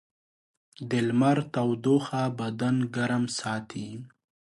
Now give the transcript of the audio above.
د لمر تودوخه بدن ګرم ساتي.